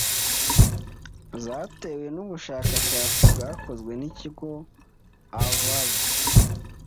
zatewe n'ubushakashatsi bwakozwe n'ikigo Avaaz